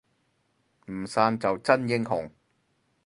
唔散就真英雄